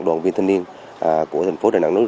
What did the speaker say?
đoàn viên thanh niên của thành phố đà nẵng